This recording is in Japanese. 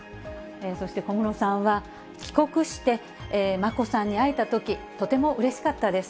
そして小室さんは、帰国して、眞子さんに会えたとき、とてもうれしかったです。